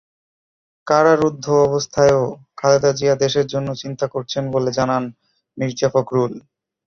কারারুদ্ধ অবস্থায়ও খালেদা জিয়া দেশের জন্য চিন্তা করছেন বলে জানান মির্জা ফখরুল।